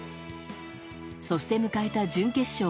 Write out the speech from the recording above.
そして迎えた、準決勝。